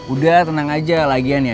udah tenang aja lagian ya